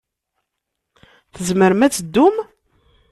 Tzemrem ad teddum?